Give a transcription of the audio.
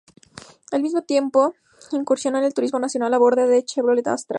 Al mismo tiempo, incursionó en el Turismo Nacional, a bordo de un Chevrolet Astra.